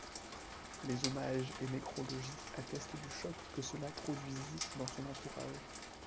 Les hommages et nécrologies attestent du choc que cela produisit dans son entourage.